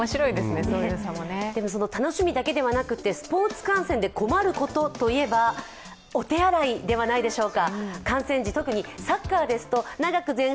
楽しみだけではなくて、スポーツ観戦で困ることといえば、お手洗いではないでしょうか。